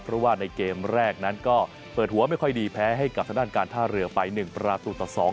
เพราะว่าในเกมแรกนั้นก็เปิดหัวไม่ค่อยดีแพ้ให้กับทางด้านการท่าเรือไป๑ประตูต่อ๒